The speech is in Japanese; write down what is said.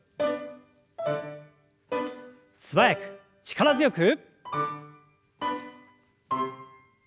素早く力強く。